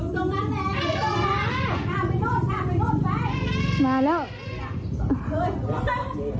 อยู่ตรงนั้นแหละไปห้ามไปโล่นไป